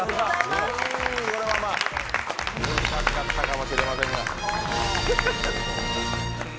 これは難しかったかもしれませんが。